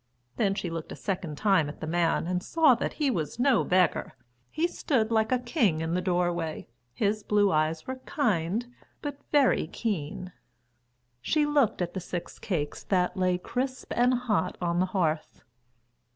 Then she looked a second time at the man and saw that he was no beggar. He stood like a king in the doorway. His blue eyes were kind but very keen. She looked at the six cakes that lay crisp and hot on the hearth.